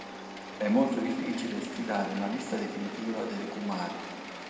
È molto difficile stilare una lista definitiva delle Kumari.